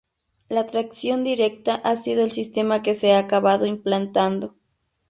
La tracción directa ha sido el sistema que se ha acabado implantando.